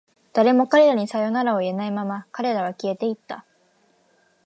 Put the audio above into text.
誰も彼らにさよならを言えないまま、彼らは消えていった。